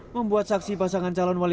membuat saksi pasangan calon wali